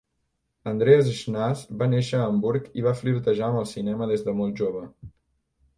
Andreas Schnaas va néixer a Hamburg i va flirtejar amb el cinema des de molt jove.